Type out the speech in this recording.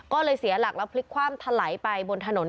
ก็เลยเสียหลักแล้วพลิกคว่ำถลายไปบนถนน